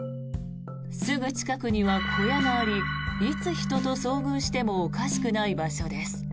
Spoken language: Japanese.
すぐ近くには小屋がありいつ人と遭遇してもおかしくない場所です。